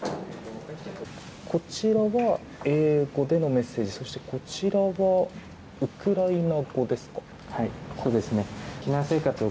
こちらが英語でのメッセージそしてこちらがウクライナ語ですか。